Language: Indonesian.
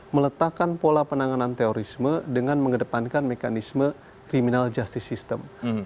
meletakkan pola penanganan terorisme dengan mengedepankan mekanisme criminal justice system